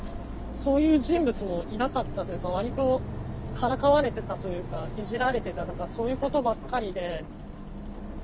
そういう人物もいなかったというか割とからかわれてたというかいじられてたとかそういうことばっかりで。